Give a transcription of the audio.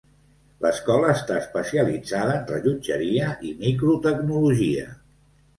L'escola està especialitzada en rellotgeria i microtecnologia.